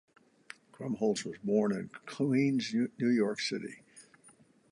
Krumholtz was born in Queens, New York City.